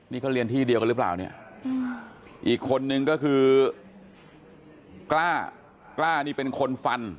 นี่เขาเรียนที่เดียวกันหรือเปล่าเนี่ยอีกคนนึงก็คือกล้ากล้านี่เป็นคนฟัน